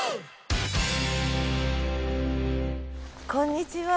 こんにちは。